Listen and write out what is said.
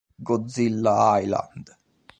Godzilla Island